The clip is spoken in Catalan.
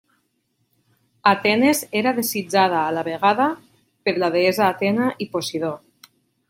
Atenes era desitjada a la vegada per la deessa Atena i Posidó.